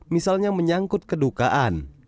misalnya menyangkut kedukaan